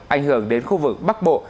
ảnh hưởng đến khu vực bắc bộ